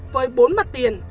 với bốn mặt tiền